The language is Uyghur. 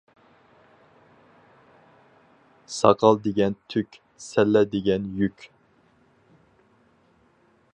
ساقال دېگەن تۈك، سەللە دېگەن يۈك.